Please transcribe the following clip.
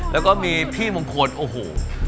แล้วก็มีพี่มงคลโอ้โห